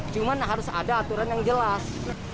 cuma harus ada aturan yang jelas